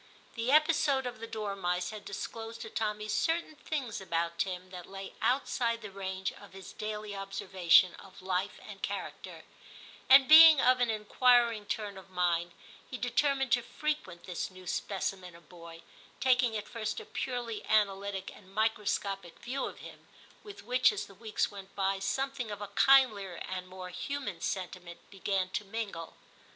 The episode of the dormice had disclosed to Tommy certain things about Tim that lay outside the range of his daily observation of life and character, and being of an inquiring turn of mind, he determined to frequent this new specimen of boy, taking at first a purely analytic and microscopic view of him, with which, as the weeks went by, something of a kindlier and more human sentiment began to mingle.